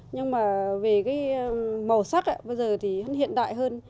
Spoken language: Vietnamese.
nhưng mà về màu sắc bây giờ thì hiện đại hơn